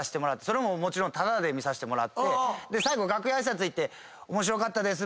それももちろんタダで見させてもらってで最後楽屋挨拶行って面白かったです。